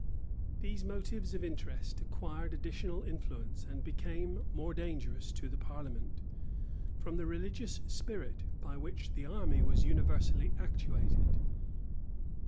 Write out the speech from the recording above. These motives of interest acquired additional influence, and became more dangerous to the parliament, from the religious spirit by which the army was universally actuated.